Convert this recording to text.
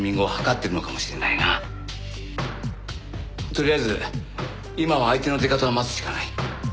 とりあえず今は相手の出方を待つしかない。